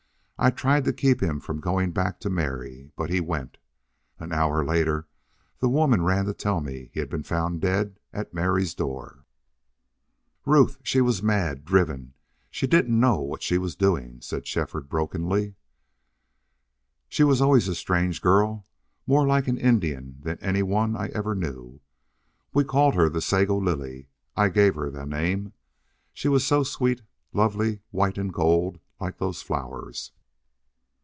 I tried to keep him from going back to Mary. But he went.... An hour later the women ran to tell me he had been found dead at Mary's door." "Ruth she was mad driven she didn't know what she was doing," said Shefford, brokenly. "She was always a strange girl, more like an Indian than any one I ever knew. We called her the Sago Lily. I gave her the name. She was so sweet, lovely, white and gold, like those flowers....